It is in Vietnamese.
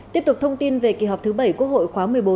tiếp tục thông tin về kỳ họp thứ bảy quốc hội khóa một mươi bốn